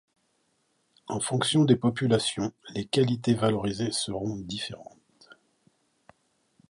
En fonction des populations, les qualités valorisées seront différentes.